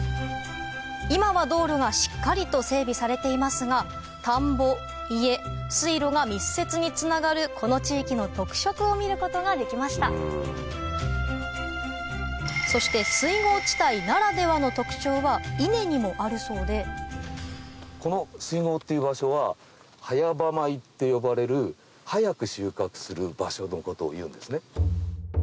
今は道路がしっかりと整備されていますが田んぼ家水路が密接につながるこの地域の特色を見ることができましたそして水郷地帯ならではの特徴は稲にもあるそうでこの水郷っていう場所は早場米って呼ばれる早く収穫する場所のことをいうんですね。